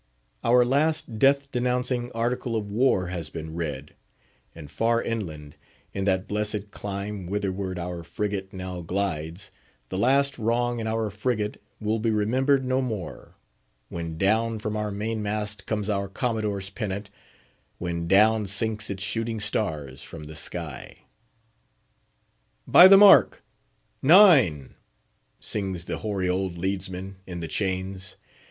Our last death denouncing Article of War has been read; and far inland, in that blessed clime whither ward our frigate now glides, the last wrong in our frigate will be remembered no more; when down from our main mast comes our Commodore's pennant, when down sinks its shooting stars from the sky. "By the mark, nine!" sings the hoary old leadsman, in the chains.